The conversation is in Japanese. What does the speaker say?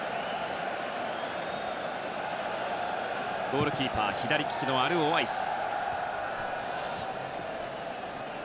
ゴールキーパーは左利きのアルオワイス。